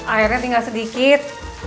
akhirnya tinggal sedikit